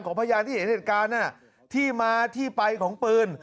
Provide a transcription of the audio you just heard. พยานที่เห็นเหตุการณ์ที่มาที่ไปของปืน